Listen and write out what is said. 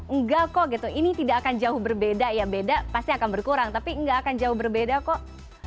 enggak kok gitu ini tidak akan jauh berbeda ya beda pasti akan berkurang tapi nggak akan jauh berbeda kok